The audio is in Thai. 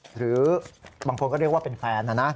หรือบางคนก็เรียกว่าเป็นแฟนนะนะ